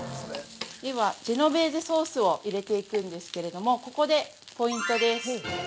では、ジェノベーゼソースを入れていくんですけれども、ここで、ポイントです。